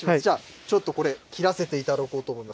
ちょっとこれ、切らせていただこうと思います。